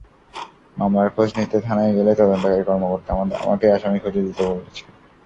মামলার খোঁজ নিতে থানায় গেলে তদন্তকারী কর্মকর্তা আমাকেই আসামি খুঁজে দিতে বলছেন।